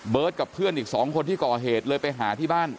กับเพื่อนอีก๒คนที่ก่อเหตุเลยไปหาที่บ้าน